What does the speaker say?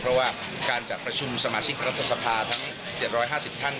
เพราะว่าการจัดประชุมสมาชิกรัฐสภาทั้ง๗๕๐ท่าน